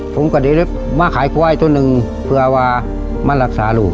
ผมก็เรารักษามาก๖๔ทุนนึงเพื่อลักษาลูก